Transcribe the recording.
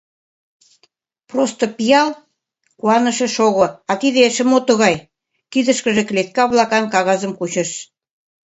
Просто пиал!» — куаныше — Шого, а тиде эше мо тугай? — кидышкыже клетка-влакан кагазым кучыш.